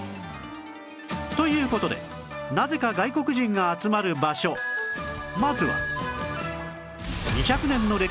という事でなぜか外国人が集まる場所まずは